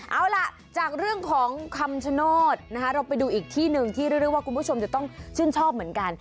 เอาล่ะจากเรื่องของคำชโนธนะคะเราไปดูอีกที่หนึ่งที่เรียกได้ว่าคุณผู้ชมจะต้องชื่นชอบเหมือนกัน